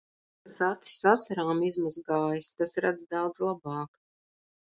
Kas acis asarām izmazgājis, tas redz daudz labāk.